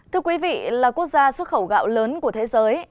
thưa quý vị là quốc gia xuất khẩu gạo lớn của thế giới